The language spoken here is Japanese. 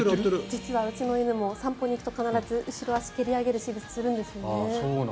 実はうちの犬も散歩に行ったら必ず後ろ足を蹴り上げるしぐさをするんです。